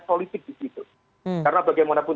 politik di situ karena bagaimanapun